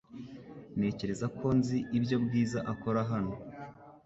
Ntekereza ko nzi ibyo Bwiza akora hano .